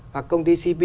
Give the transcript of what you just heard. và công ty cp